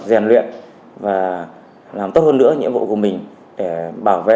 rèn luyện và làm tốt hơn nữa nhiệm vụ của mình để bảo vệ